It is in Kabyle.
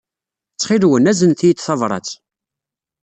Ttxil-wen, aznet-iyi-d tabṛat.